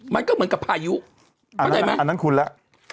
มันก็เหมือนกับพายุอันนั้นคุณแล้ว